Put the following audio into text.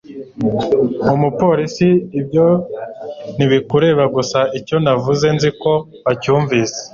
umupolisi ibyo ni ibikureba gusa icyo navuze nziko wacyumvise